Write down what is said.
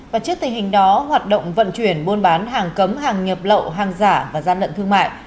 và trước tình hình đó hoạt động vận chuyển buôn bán hàng cấm hàng nhập lậu hàng giả và gian lận thương mại